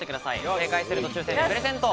正解すると抽選でプレゼント。